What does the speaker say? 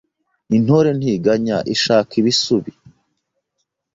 Intore ntiganya ishaka ibisubi